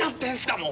もう。